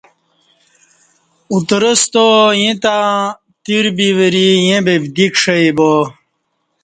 اترستا ییں تہ تیر بی وری ییں ببدی کݜی با